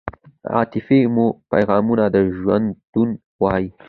عاطفې مو پیغامونه د ژوندون وای